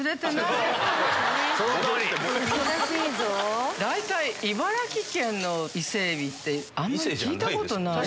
その通り！大体茨城県の伊勢海老ってあんまり聞いたことない。